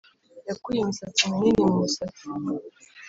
yakuye imisatsi minini mu musatsi